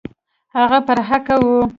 هغه پر حقه وو.